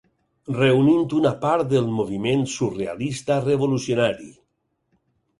Reunint una part del moviment surrealista-revolucionari